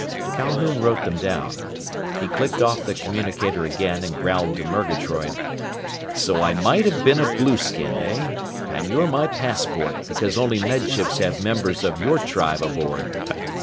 Calhoun wrote them down. He clicked off the communicator again and growled to Murgatroyd, "So I might have been a blueskin, eh? And you're my passport, because only Med Ships have members of your tribe aboard!